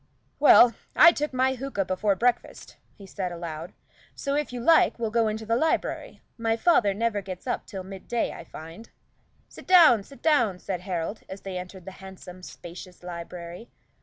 "Well, I took my hookah before breakfast," he said aloud, "so, if you like, we'll go into the library. My father never gets up till midday, I find." "Sit down, sit down," said Harold, as they entered the handsome, spacious library.